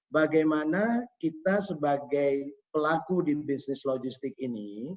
bagaimana kita sebagai pelaku di bisnis logistik ini